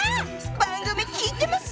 番組聴いてます！